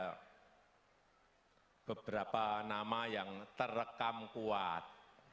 hai beberapa nama yang terekam kuat